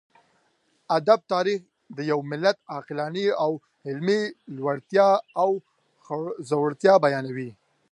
ادب تاريخ د يوه ملت عقلاني او علمي لوړتيا او ځوړتيا بيانوي.